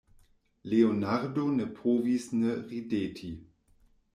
Leonardo ne povis ne rideti.